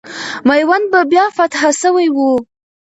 میوند به بیا فتح سوی وو.